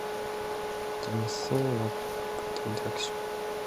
The machine was never put into action.